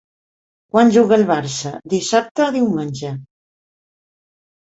Quan juga el Barça, dissabte o diumenge?